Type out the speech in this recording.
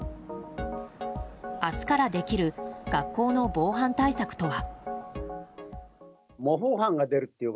明日からできる学校の防犯対策とは。